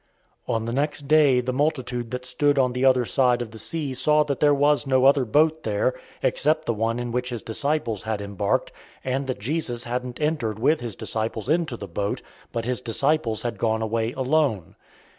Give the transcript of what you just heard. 006:022 On the next day, the multitude that stood on the other side of the sea saw that there was no other boat there, except the one in which his disciples had embarked, and that Jesus hadn't entered with his disciples into the boat, but his disciples had gone away alone.